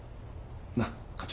なっ課長。